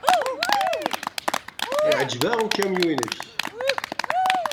Yeɛjeb-aɣ ukamyun-nnek.